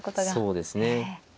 そうですね。